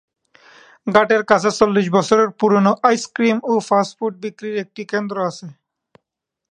ঘাটের কাছে চল্লিশ বছরের পুরনো আইসক্রিম ও ফাস্ট ফুড বিক্রির একটি কেন্দ্র আছে।